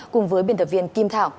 cùng với biên tập viên kim thảo